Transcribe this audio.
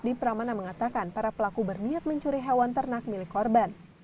di pramana mengatakan para pelaku berniat mencuri hewan ternak milik korban